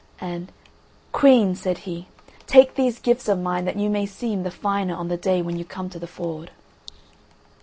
And "Queen," said he, "take these gifts of mine that you may seem the finer on the day when you come to the Ford."